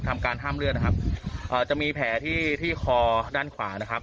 ทำการห้ามเลือดนะครับอ่าจะมีแผลที่ที่คอด้านขวานะครับ